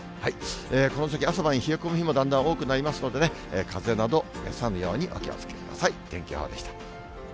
この先、朝晩冷え込む日もだんだん多くなりますのでね、かぜなど召さぬようにお気をつけください。